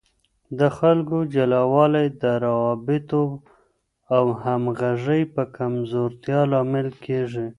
د خلکو جلاوالی د روابطو او همغږۍ په کمزورتیا لامل کیږي.